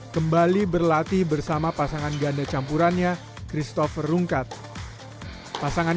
kembali berlatih bersama pasangan ganda campurannya christopher rungkat pasangan